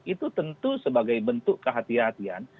itu tentu sebagai bentuk kehatian